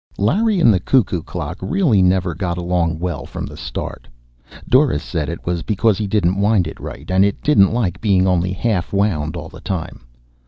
Larry and the cuckoo clock really never got along well from the start. Doris said it was because he didn't wind it right, and it didn't like being only half wound all the time.